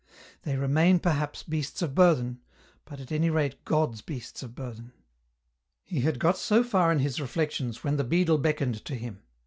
They remain, perhaps, beasts of burthen, but at any rate God's beasts of burthen." He had got so far in his reflections when the beadle beckoned to him.